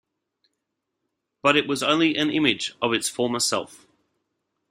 But it was only an image of its former self.